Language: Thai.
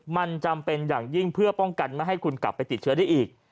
มันจำเป็นอย่างยิ่งเพื่อป้องกันไม่ให้คุณกลับไปติดเชื้อได้อีก